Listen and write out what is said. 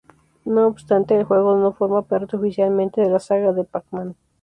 No obstante, el juego no forma parte oficialmente de la saga de Pac-Man.